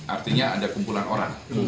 artinya ada kumpulan orang